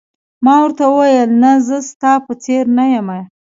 ما ورته وویل: نه، زه ستا په څېر نه یم.